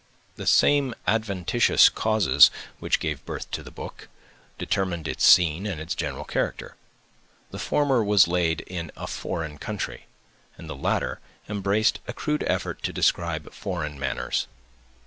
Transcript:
The same adventitious causes which gave birth to the book determined its scene and its general character. The former was laid in a foreign country; and the latter embraced a crude effort to describe foreign manners.